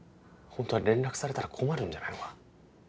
ホントは連絡されたら困るんじゃないのか？